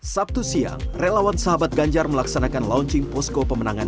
sabtu siang relawan sahabat ganjar melaksanakan launching posko pemenangan